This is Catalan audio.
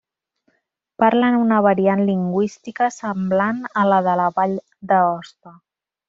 Parlen una variant lingüística semblant a la de la Vall d'Aosta.